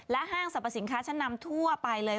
ห้างสรรพสินค้าชั้นนำทั่วไปเลย